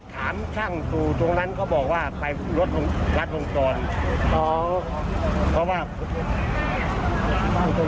หัวหน้าแผนกัน